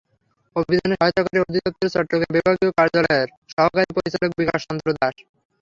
অভিযানে সহায়তা করেন অধিদপ্তরের চট্টগ্রাম বিভাগীয় কার্যালয়ের সহকারী পরিচালক বিকাশ চন্দ্র দাস।